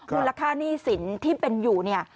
มูลค่าหนี้สินที่เป็นอยู่เนี่ย